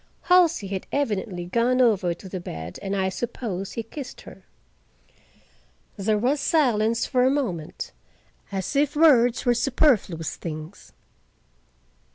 Halsey had evidently gone over to the bed and I suppose he kissed her. There was silence for a moment, as if words were superfluous things.